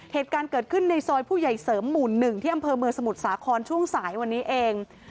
เหตุการณ์เกิดขึ้นในซอยผู้ใหญ่เสริมหมู่๑ที่อำเภอเมืองสมุทรสาครช่วงสายวันนี้เอง